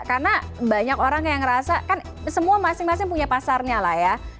karena banyak orang yang merasa kan semua masing masing punya pasarnya lah ya